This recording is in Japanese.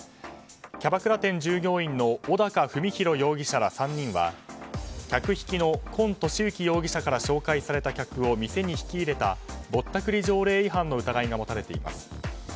キャバクラ店従業員の小高文裕容疑者ら３人は客引きの今利至容疑者から紹介された客を店に引き入れたぼったくり条例違反の疑いが持たれています。